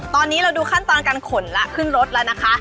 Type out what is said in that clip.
ตอนนี้เราดูขั้นตอนการขนแล้วขึ้นรถแล้วนะคะ